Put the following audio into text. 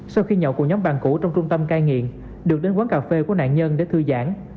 sau khi nhậu cùng nhóm bạn cũ trong trung tâm cai nghiện được đến quán cà phê của nạn nhân để thư giãn